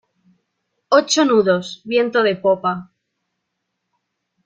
ocho nudos, viento de popa...